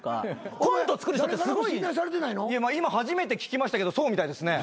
今初めて聞きましたけどそうみたいですね。